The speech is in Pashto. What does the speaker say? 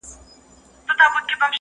چي له وېري راوتای نه سي له کوره؛